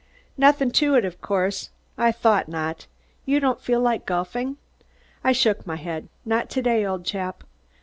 "Nothing to it of course. I thought not. You don't feel like golfing?" I shook my head. "Not to day, old chap.